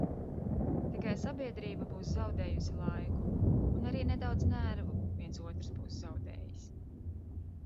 Tikai sabiedrība būs zaudējusi laiku, un arī nedaudz nervu viens otrs būs zaudējis.